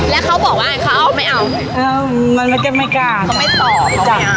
แล้วเขาบอกว่าไงเขาเอาไม่เอามันก็ไม่กล้าเขาไม่ตอบเขาไม่เอา